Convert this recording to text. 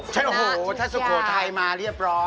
ชนะทุกอย่างโอ้โฮถ้าสุโขทัยมาเรียบร้อย